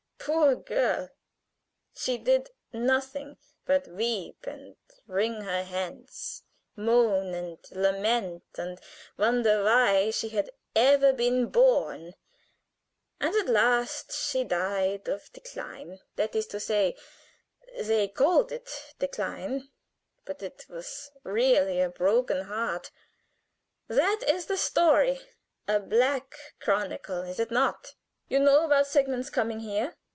Poor girl! She did nothing but weep and wring her hands, moan and lament and wonder why she had ever been born, and at last she died of decline that is to say, they called it decline, but it was really a broken heart. That is the story a black chronicle, is it not? You know about Sigmund's coming here.